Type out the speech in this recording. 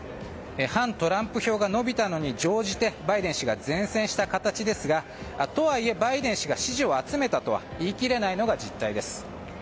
反トランプ票が伸びたのに乗じてバイデン氏が善戦した形ですがとはいえバイデン氏が支持を集めたとは言い切れないのが実態です。